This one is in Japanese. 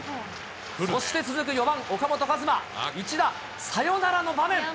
そして続く４番岡本和真、一打サヨナラの場面。